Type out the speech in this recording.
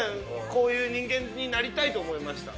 こういう人間になりたいと思いました。